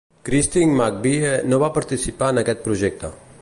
Christine McVie no va participar en aquest projecte.